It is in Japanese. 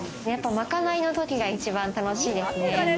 まかないの時が一番楽しみです。